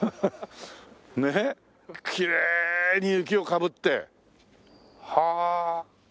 ねえきれいに雪をかぶって。